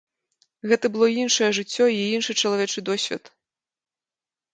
Гэта было іншае жыццё і іншы чалавечы досвед.